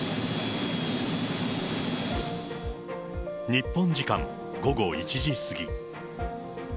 日本時間午後１時過ぎ。